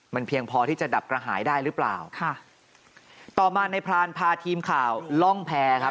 มันเพียงพอที่จะดับกระหายได้หรือเปล่าค่ะต่อมาในพรานพาทีมข่าวล่องแพร่ครับ